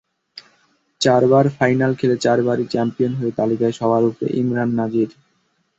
চারবার ফাইনাল খেলে চারবারই চ্যাম্পিয়ন হয়ে তালিকায় সবার ওপরে ইমরান নাজির।